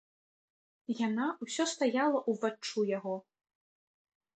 Яна ўсё стаяла ўваччу яго.